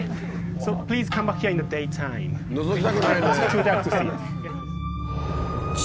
のぞきたくないね。